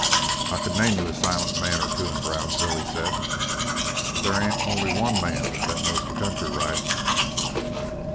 "I could name you a silent man or two in Brownsville," he said, "but there ain't only one man that knows the country right."